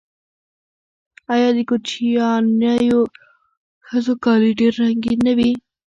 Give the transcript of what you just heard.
آیا د کوچیانیو ښځو کالي ډیر رنګین نه وي؟